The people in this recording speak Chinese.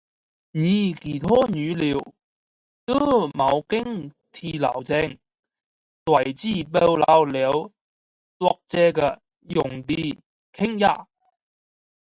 而其他语料多未经此流程，大致保留了作者的用词倾向。